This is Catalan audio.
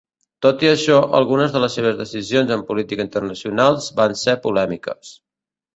Tot i això, algunes de les seves decisions en política internacionals van ser polèmiques.